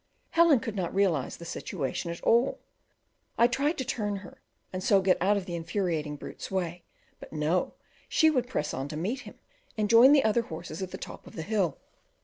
Helen could not realize the situation at all. I tried to turn her, and so get out of the infuriated brute's way; but no, she would press on to meet him and join the other horses at the top of the hill.